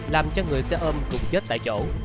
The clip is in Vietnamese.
làm cho người xe ôm cùng chết tại chỗ